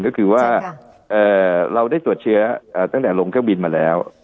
ก็คือว่าเราได้ตรวจเชื้อตั้งแต่ลงเครื่องบินมาแล้ว